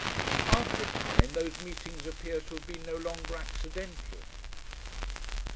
After a time those meetings appear to have been no longer accidental.